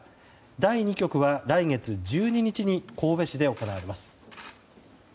第２局は、来月１２日に神戸市で行われます。